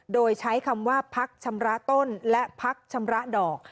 โดยใช้คำว่าพักชำระต้นและพักชำระดอก